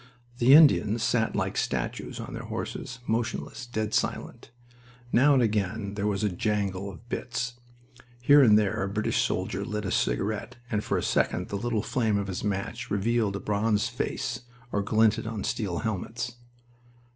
The Indians sat like statues on their horses, motionless, dead silent. Now and again there was a jangle of bits. Here and there a British soldier lit a cigarette and for a second the little flame of his match revealed a bronzed face or glinted on steel helmets.